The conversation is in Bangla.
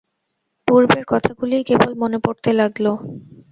পূর্বের কথাগুলিই কেবল মনে পড়তে লাগল।